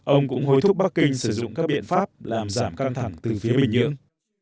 ông cũng hối thúc bắc kinh sử dụng các biện pháp làm giảm căng thẳng từ phía bình nhưỡng